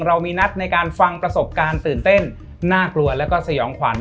เรามีนัดในการฟังประสบการณ์ตื่นเต้นน่ากลัวแล้วก็สยองขวัญ